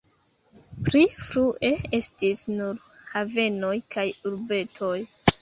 Pli frue estis nur havenoj kaj urbetoj.